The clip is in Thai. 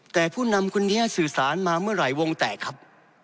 แต่ผู้นำคนนี้สื่อสารมาเมื่อไหร่วงแตกครับ